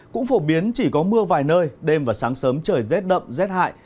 cũng phổ biến chỉ có mưa vài nơi đêm và sáng sớm trời rét đậm rét hại